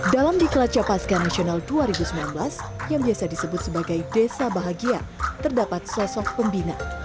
dalam di kelas capaska nasional dua ribu sembilan belas yang biasa disebut sebagai desa bahagia terdapat sosok pembina